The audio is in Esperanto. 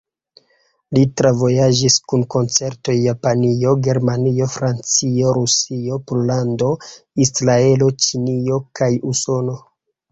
Li travojaĝis kun koncertoj Japanio, Germanio, Francio, Rusio, Pollando, Israelo, Ĉinio kaj Usono.